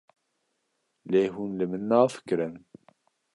Lê hûn li min nafikirin?